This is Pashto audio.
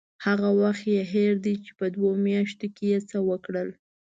هغه وخت یې هېر دی چې په دوو میاشتو کې یې څه وکړل.